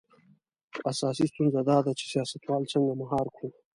اساسي ستونزه دا ده چې سیاستوال څنګه مهار کړو.